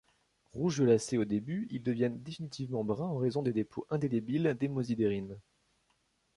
Rouge violacé au début, ils deviennent définitivement bruns en raison des dépôts indélébiles d’hémosidérine.